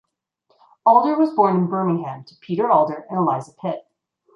Alder was born in Birmingham to Peter Alder and Eliza Pitt.